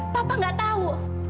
papa gak tahu